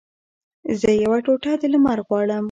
زه یوه ټوټه د لمر غواړم